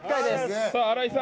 荒井さん